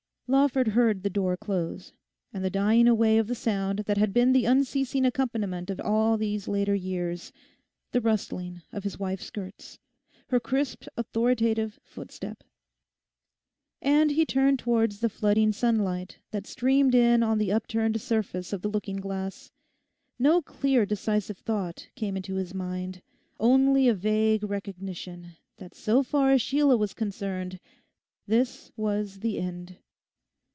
Lawford heard the door close, and the dying away of the sound that had been the unceasing accompaniment of all these later years—the rustling of his wife's skirts, her crisp, authoritative footstep. And he turned towards the flooding sunlight that streamed in on the upturned surface of the looking glass. No clear decisive thought came into his mind, only a vague recognition that so far as Sheila was concerned this was the end.